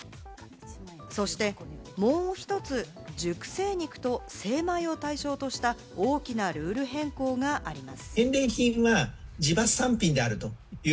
そしてもう１つ、熟成肉と精米を対象とした大きなルール変更があります。